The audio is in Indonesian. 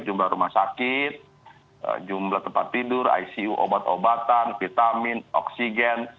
jumlah rumah sakit jumlah tempat tidur icu obat obatan vitamin oksigen